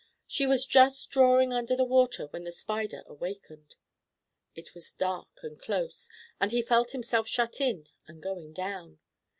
She was just drawing under the water when the Spider awakened. It was dark and close, and he felt himself shut in and going down.